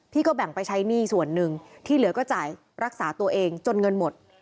ก็แบ่งไปใช้หนี้ส่วนหนึ่งที่เหลือก็จ่ายรักษาตัวเองจนเงินหมด